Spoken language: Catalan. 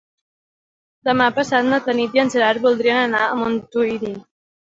Demà passat na Tanit i en Gerard voldrien anar a Montuïri.